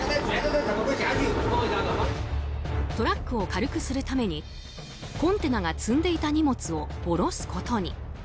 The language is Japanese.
トラックを軽くするためにコンテナが積んでいた荷物を下ろすことに。